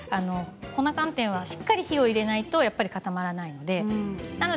粉寒天はしっかりと火を入れないと固まらないんですね。